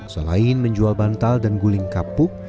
selain menjual bantal dan guling kapuk